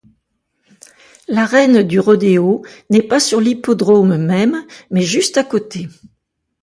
L'Arène du Rodéo n'est pas sur l'Hippodrome même mais juste à côté.